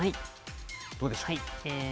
どうでしょう。